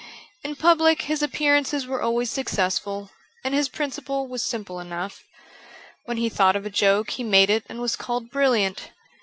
In public his appearances were always successful and his principle was simple enough. When he thought of a joke he made it and was called brilliant.